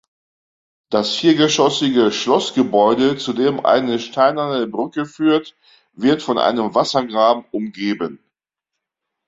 Das viergeschossige Schlossgebäude, zu dem eine steinerne Brücke führt, wird von einem Wassergraben umgeben.